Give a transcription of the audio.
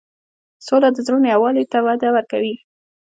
سوله د زړونو یووالی ته وده ورکوي.